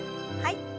はい。